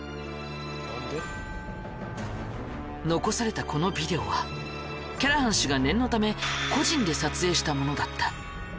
残されたこのビデオはキャラハン氏が念のため個人で撮影したものだった。